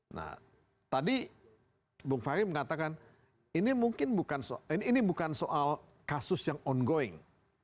nah tadi bung fahri mengatakan ini mungkin ini bukan soal kasus yang ongoing